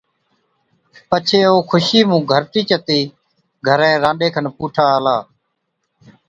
پڇي او خوشِي مُون گھَرٽِي چتِي گھرين رانڏي کن پُوٺا آلا،